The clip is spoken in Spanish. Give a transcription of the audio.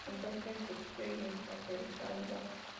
Se encuentra en Turquía y en Azerbaiyán.